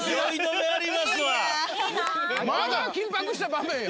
まあまあ緊迫した場面よ。